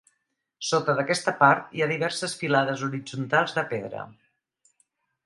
Sota d'aquesta part hi ha diverses filades horitzontals de pedra.